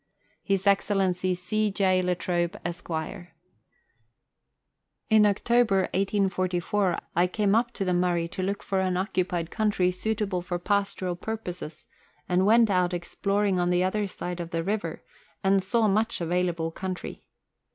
His Excellency C. J. La Trobe, Esquire. In October 1844, 1 came up to the Murray to look for unoccu pied country suitable for pastoral purposes, and went out exploring on the other side of the river, and saw much available country.